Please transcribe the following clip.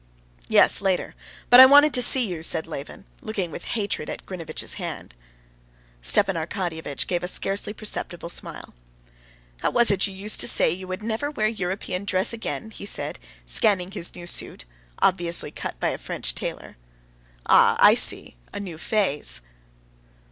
"Yes, later. But I wanted to see you," said Levin, looking with hatred at Grinevitch's hand. Stepan Arkadyevitch gave a scarcely perceptible smile. "How was it you used to say you would never wear European dress again?" he said, scanning his new suit, obviously cut by a French tailor. "Ah! I see: a new phase."